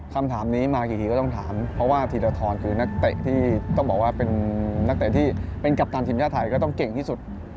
คำถามนี้มากี่ทีก็ต้องถามเพราะว่าธีรทรคือนักเตะที่ต้องบอกว่าเป็นนักเตะที่เป็นกัปตันทีมชาติไทยก็ต้องเก่งที่สุด